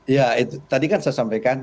ya itu tadi kan saya sampaikan